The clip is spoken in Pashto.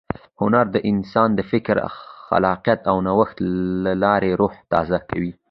هنر د انسان د فکر، خلاقیت او نوښت له لارې روح تازه کوي.